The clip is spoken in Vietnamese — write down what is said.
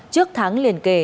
trước tháng liền kề